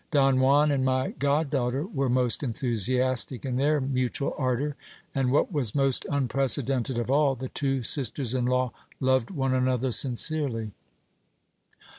Don Juan and my god daughter were most enthusiastic in their mutual ardour ; and what was most unprecedented of all, the two sisters in law loved one another sincerely.